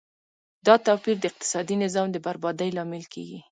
دا توپیر د اقتصادي نظام د بربادۍ لامل کیږي.